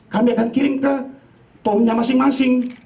kami akan kirim ke pomnya masing masing